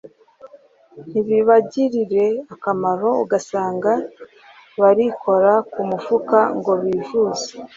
ntibibagirire akamaro ugasanga barikora ku mufuka ngo bivuze